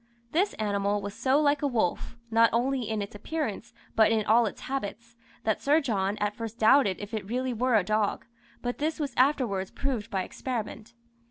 This animal was so like a wolf, not only in its appearance, but in all its habits, that Sir John at first doubted if it really were a dog, but this was afterwards proved by experiment.